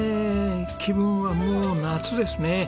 気分はもう夏ですね。